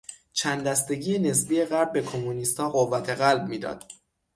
چند دستگی نسبی غرب به کمونیستها قوت قلب میداد.